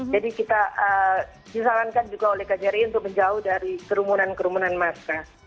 jadi kita disarankan juga oleh kjri untuk menjauh dari kerumunan kerumunan masker